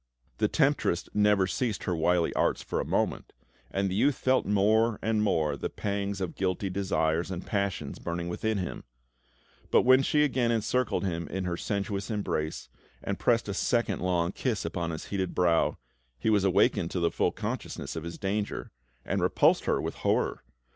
The temptress never ceased her wily arts for a moment, and the youth felt more and more the pangs of guilty desires and passions burning within him; but when she again encircled him in her sensuous embrace, and pressed a second long kiss upon his heated brow, he was awakened to the full consciousness of his danger, and repulsed her with horror.